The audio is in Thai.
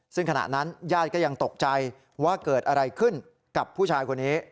ซึ่งขณะนั้นญาติก็ยังตกใจว่าเกิดอะไรขึ้นกับผู้ชายคนนี้